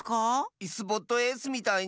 イスボットエースみたいに？